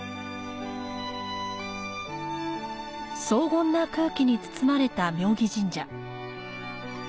荘厳な空気に包まれた妙義神社。